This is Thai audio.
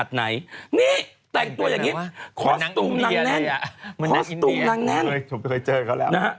ใช่เลยเคยเจอเค้าแล้ว